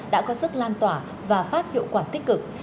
đã có sức lan tỏa và phát hiệu quả tích cực